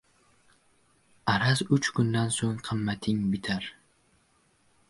Araz, uch kundan so‘ng qimmating bitar